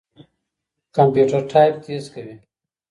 کمپيوټر ټايپ تېز کوي.